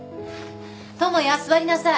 智也座りなさい。